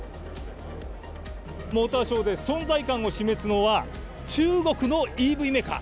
モーターショーで存在感を存在感を示すのは、中国のＥＶメーカー。